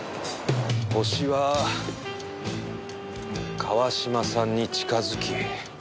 ホシは川島さんに近づき。